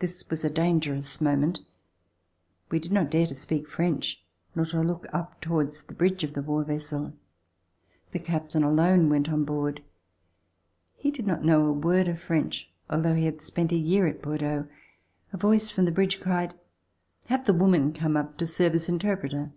This was a dangerous moment. We did not dare to speak French, nor to look up towards the bridge of the war vessel. The captain alone went on board. He did not know a word of French although he had spent a year at Bordeaux. A voice from the bridge cried: "Have the woman come up to serve as interpreter."